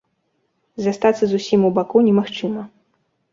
Застацца зусім у баку немагчыма.